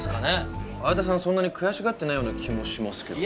そんなに悔しがってないような気もしますけど。